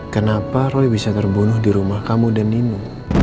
kenapa roy bisa terbunuh di rumah kamu dan ninu